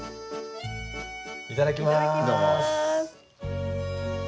いただきます。